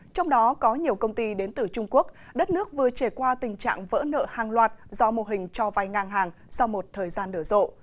trong đó có nhiều công ty đến từ trung quốc đất nước vừa trể qua tình trạng vỡ nợ hàng loạt do mô hình cho vay ngang hàng sau một thời gian nở rộ